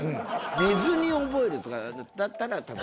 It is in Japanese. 「寝ずに覚える」とかだったら多分。